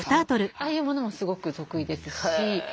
ああいうものもすごく得意ですし。